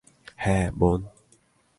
হ্যাঁ, বোন?